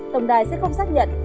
tổng đài sẽ không xác nhận